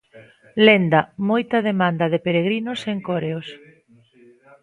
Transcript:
Lenda: Moita demanda de peregrinos en Coreos.